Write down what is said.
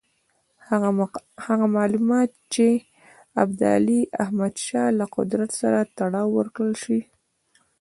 هغه معلومات دې د ابدالي احمدشاه له قدرت سره تړاو ورکړل شي.